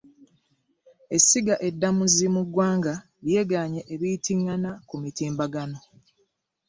Essiga eddamuzi mu ggwanga lyegaanye ebiyitingana ku mitimbagano